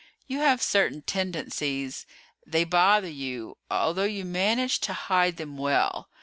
"You have certain tendencies they bother you, although you manage to hide them well.